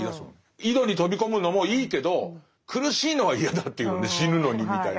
井戸に飛び込むのもいいけど苦しいのは嫌だっていうのね死ぬのにみたいな。